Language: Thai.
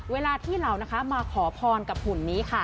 เวลาที่เรานะคะมาขอพรกับหุ่นนี้ค่ะ